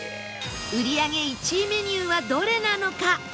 売り上げ１位メニューはどれなのか？